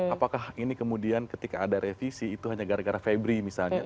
apakah ini kemudian ketika ada revisi itu hanya gara gara febri misalnya